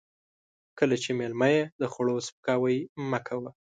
کله چې مېلمه يې د خوړو سپکاوی مه کوه.